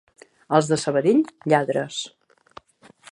Els de Sabadell, lladres.